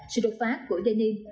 sự đột phá của denims